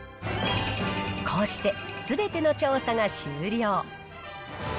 こうしてすべての調査が終了。